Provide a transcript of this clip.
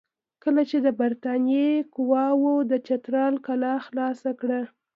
کله چې د برټانیې قواوو د چترال کلا خلاصه کړه.